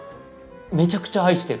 めちゃくちゃ愛してる！